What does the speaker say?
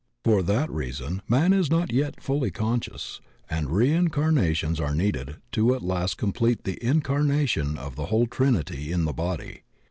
For that reason man is not yet fully conscious, and reincarnations are needed to at last complete the incarnation of the whole trinity in the body.